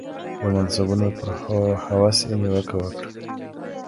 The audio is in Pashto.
د منصبونو پر هوس یې نیوکه وکړه